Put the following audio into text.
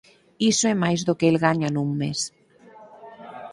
Iso é máis do que el gaña nun mes!